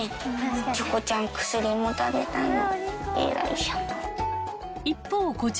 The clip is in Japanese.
チョコちゃん、薬も食べたの。